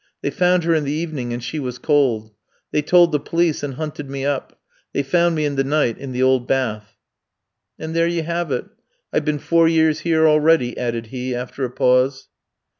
They found her in the evening, and she was cold. They told the police, and hunted me up. They found me in the night in the old bath. "And there you have it. I've been four years here already," added he, after a pause.